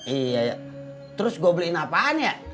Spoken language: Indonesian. iya terus gue beliin apaan ya